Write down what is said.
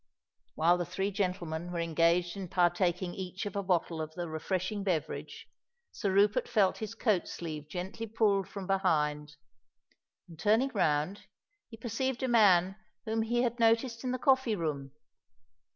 While the three gentlemen were engaged in partaking each of a bottle of the refreshing beverage, Sir Rupert felt his coat sleeve gently pulled from behind; and, turning round, he perceived a man whom he had noticed in the coffee room.